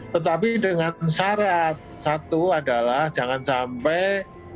tetapi dengan syarat satu adalah jangan sampai